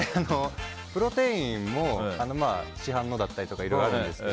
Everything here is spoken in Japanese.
プロテインも市販のだったりとかいろいろあるじゃないですか。